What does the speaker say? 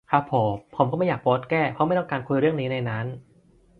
ครับผม ผมก็ไม่อยากโพสต์แก้ เพราะไม่ต้องการคุยเรื่องนี้ในนั้น